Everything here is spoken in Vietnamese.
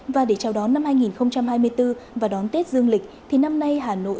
và để chào đón năm hai nghìn hai mươi bốn và đón tết dương lịch thì năm nay hà nội cũng đã tổ chức